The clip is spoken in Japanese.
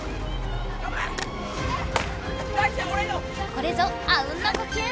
これぞあうんの呼吸！